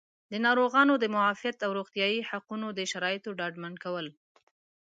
د ناروغانو د معافیت او روغتیایي حقونو د شرایطو ډاډمن کول